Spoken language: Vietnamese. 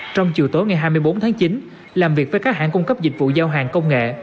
trong chiều tối ngày hai mươi bốn tháng chín làm việc với các hãng cung cấp dịch vụ giao hàng công nghệ